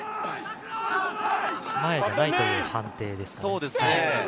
前じゃないという判定ですね。